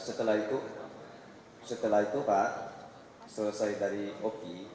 ya setelah itu pak selesai dari oki